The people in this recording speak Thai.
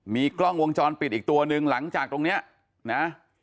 มีกล้องวงจรปิดอีกตัวหนึ่งหลังจากตรงเนี้ยนะ